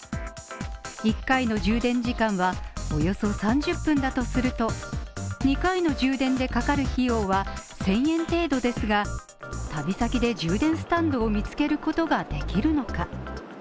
１回の充電時間はおよそ３０分だとすると、２回の充電でかかる費用は１０００円程度ですが、旅先で充電スタンドを見つけることができるのか。